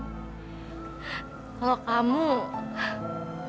aku tau kau apa yang pernah kamu lakuin